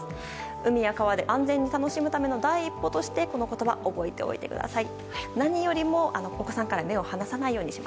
海や川で安全に楽しむため第一歩としてこの言葉、覚えておいてください。